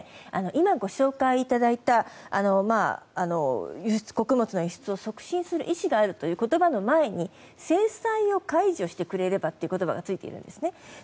今、ご紹介いただいた穀物の輸出を促進する意思があるという言葉の前に制裁を解除してくれればという言葉がついているんです。